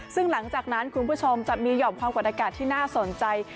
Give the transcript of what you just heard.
ซึ่งหลังจากนั้นคุณผู้ชมจะมีห่อมความกดอากาศที่น่าสนใจ